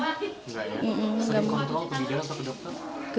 sering kontrol ke bidan atau ke dokter